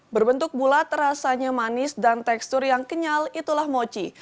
berbentuk bulat rasanya manis dan tekstur yang kenyal itulah mochi